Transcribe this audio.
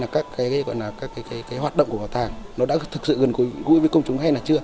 các cái hoạt động của bảo tàng nó đã thực sự gần gũi với công chúng hay là chưa